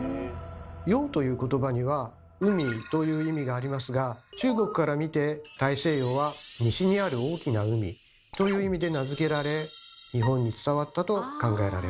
「洋」という言葉には「海」という意味がありますが中国から見て大西洋は「西にある大きな海」という意味で名付けられ日本に伝わったと考えられます。